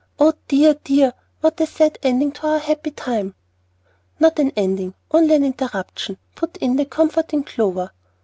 Oh dear, oh dear! what a sad ending to our happy time!" "Not an ending, only an interruption," put in the comforting Clover.